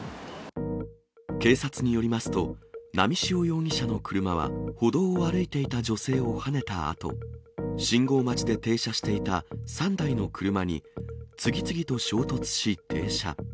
警察によりますと、波汐容疑者の車は歩道を歩いていた女性をはねたあと、信号待ちで停車していた３台の車に次々と衝突し、停車。